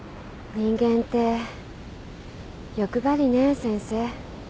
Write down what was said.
人間って欲張りね先生。